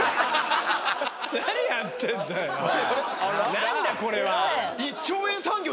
何だこれは！